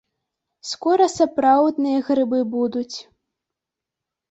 Скора сапраўдныя грыбы будуць.